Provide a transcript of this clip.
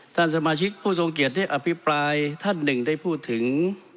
ท่านสมาชิกผู้ทรงเกียจได้อภิปรายท่านหนึ่งได้พูดถึง